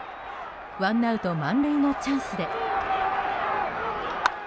ワンアウト満塁のチャンスで。